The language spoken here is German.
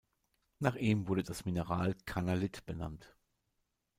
Nach ihm wurde das Mineral Carnallit benannt.